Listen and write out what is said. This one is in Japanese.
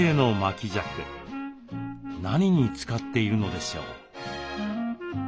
何に使っているのでしょう？